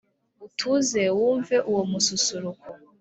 utuze wumve uwo mususuruko